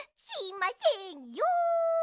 しませんよ。